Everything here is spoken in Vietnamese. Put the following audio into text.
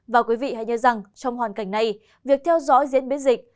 và quý vị hãy nhớ rằng trong hoàn cảnh này việc theo dõi diễn biến dịch